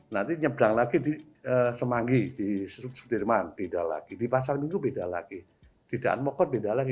nanti nyebrang lagi di semanggi di sudirman beda lagi di pasar minggu beda lagi bedaan mokot beda lagi